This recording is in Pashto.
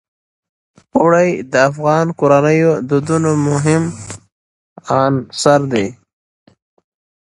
اوړي د افغان کورنیو د دودونو مهم عنصر دی.